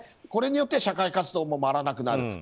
これによって社会活動も回らなくなる。